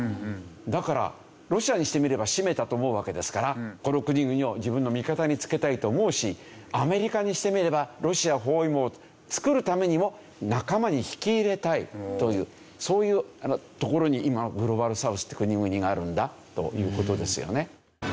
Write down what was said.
だからロシアにしてみればしめたと思うわけですからこの国々を自分の味方につけたいと思うしアメリカにしてみればロシア包囲網を作るためにも仲間に引き入れたいというそういうところに今のグローバルサウスっていう国々があるんだという事ですよね。